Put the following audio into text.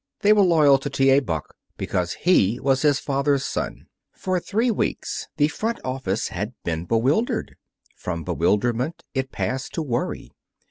They were loyal to T. A. Buck, because he was his father's son. For three weeks the front office had been bewildered. From bewilderment it passed to worry.